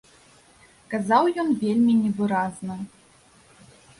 Казаў ён вельмі невыразна.